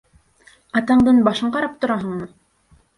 Атаңдың башын ҡарап тораһыңмы?